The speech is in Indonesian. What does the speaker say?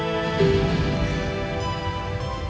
emang kamu akan cocok dengan anak buah kamu